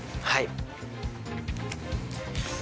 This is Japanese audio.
はい。